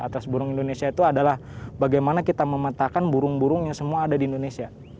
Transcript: atas burung indonesia itu adalah bagaimana kita memetakan burung burung yang semua ada di indonesia